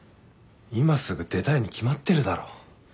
今すぐ出たいに決まってるだろ。